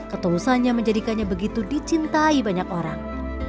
ketulusannya menjadikannya begitu dicintai banyak orang